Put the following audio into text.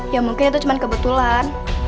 ya mungkin itu cuma kebetulan